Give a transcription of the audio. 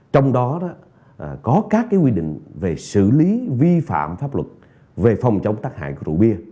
trong đó có các quy định về xử lý vi phạm pháp luật về phòng chống tác hại của rượu bia